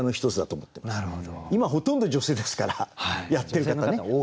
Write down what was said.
今ほとんど女性ですからやってる方ね。